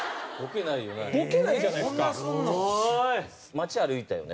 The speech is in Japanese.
街歩いたよね？